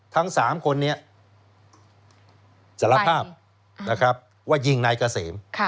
ทั้ง๓คนนี้สารภาพนะครับว่ายิงนายเกษม